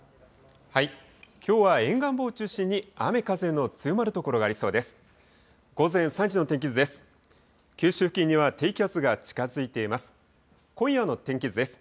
きょうは沿岸部を中心に雨風の強まる所がありそうです。